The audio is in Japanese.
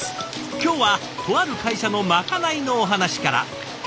今日はとある会社のまかないのお話から。